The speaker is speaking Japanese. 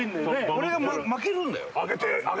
俺が負けるんだよ